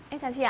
em chào chị ạ